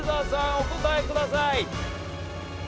お答えください。